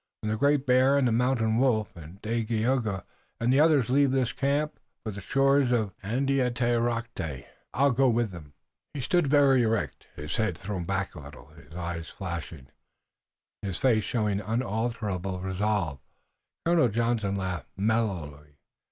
When the Great Bear and the Mountain Wolf and Dagaeoga and the others leave this camp for the shores of Andiatarocte I go with them!" He stood very erect, his head thrown back a little, his eyes flashing, his face showing unalterable resolve. Colonel Johnson laughed mellowly.